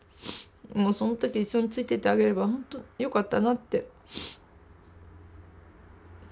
その時一緒についていってあげればほんとよかったなって。